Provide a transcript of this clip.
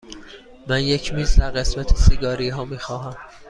من یک میز در قسمت سیگاری ها می خواهم.